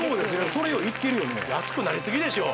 それよりいってるよね安くなりすぎでしょう